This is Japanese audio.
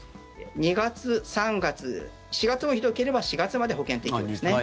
２月、３月４月もひどければ４月まで保険適用ですね。